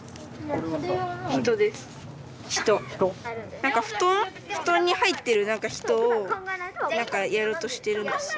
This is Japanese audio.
何か布団布団に入ってる何か人を何かやろうとしてるんですよね。